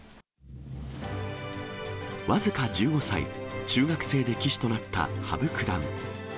僅か１５歳、中学生で棋士となった羽生九段。